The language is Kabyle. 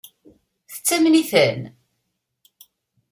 Tettamen-iten?